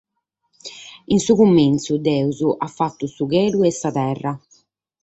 In su cumintzu, Deus at fatu su chelu e sa terra.